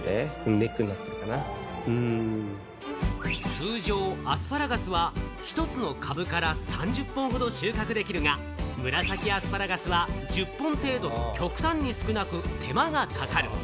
通常、アスパラガスは１つの株から３０本ほど収穫できるが、紫アスパラガスは１０本程度と極端に少なく、手間がかかる。